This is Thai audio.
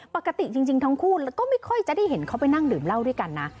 ปกติจริงทั้งคู่ก็ไม่ค่อยจะได้เห็นเขาไปนั่งดื่มเหล้าด้วยกันนะ